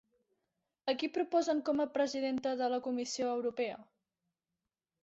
A qui proposen com a presidenta de la Comissió Europea?